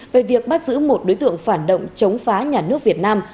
về việc bắt giữ một đối tượng phản động chống phá nhà nước việt nam